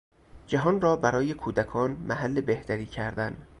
جهان را برای کودکان محل بهتری کردن